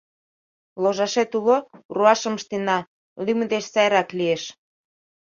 Ложашет уло, руашым ыштена — лӱмӧ деч сайрак лиеш...